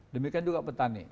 demikian juga petani